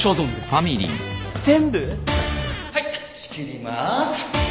はい仕切ります。